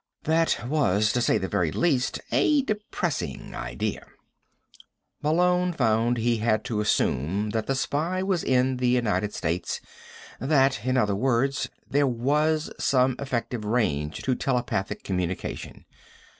That was, to say the very least, a depressing idea. Malone found he had to assume that the spy was in the United States that, in other words, there was some effective range to telepathic communication.